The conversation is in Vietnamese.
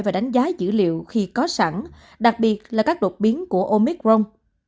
và đánh giá dữ liệu khi có sẵn đặc biệt là các đột biến của omicron